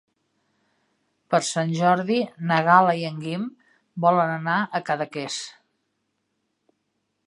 Per Sant Jordi na Gal·la i en Guim volen anar a Cadaqués.